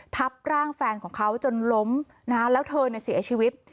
ทับร่างแฟนของเขาจนล้มแล้วเธอเสียชีวิต